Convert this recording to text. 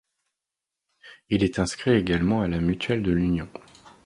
Il est inscrit également à la mutuelle de l'Union.